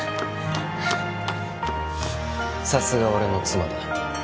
さすが俺の妻だ